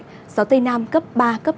gió tây nam cấp ba cấp năm